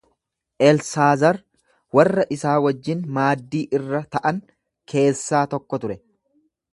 Elsaazar warra isaa wajjin maaddii irra ta’an keessaa tokko ture.